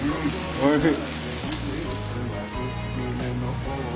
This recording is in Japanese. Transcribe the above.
おいしい。